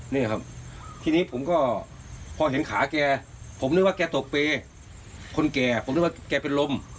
นี่ครับทีนี้ผมก็พอเห็นขาแกผมนึกว่าแกตกเปรย์คนแก่ผมนึกว่าแกเป็นลม